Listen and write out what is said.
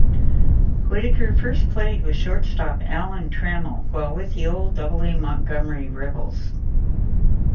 Whitaker first played with shortstop Alan Trammell while with the old Double-A Montgomery Rebels.